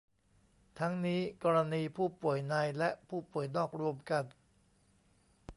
ทั้งนี้ กรณีผู้ป่วยในและผู้ป่วยนอกรวมกัน